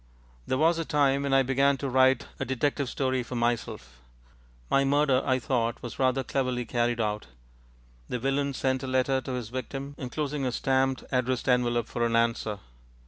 There was a time when I began to write a detective story for myself. My murder, I thought, was rather cleverly carried out. The villain sent a letter to his victim, enclosing a stamped addressed envelope for an answer.